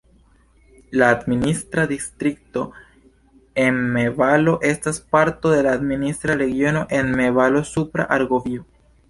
La administra distrikto Emme-Valo estas parto de la administra regiono Emme-Valo-Supra Argovio.